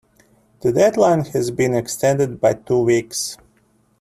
The deadline has been extended by two weeks.